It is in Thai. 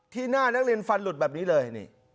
หน้านักเรียนฟันหลุดแบบนี้เลย